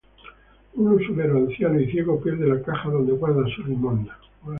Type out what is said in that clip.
Un usurero anciano y ciego pierde la caja donde guarda sus limosnas.